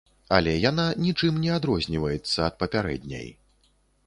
Але яна нічым не адрозніваецца ад папярэдняй.